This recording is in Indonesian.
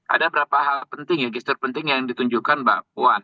ada berapa hal penting ya gestur penting yang ditunjukkan mbak kwan